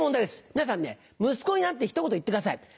皆さん息子になってひと言言ってください。